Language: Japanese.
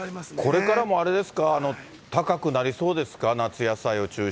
これからもあれですか、高くなりそうですか？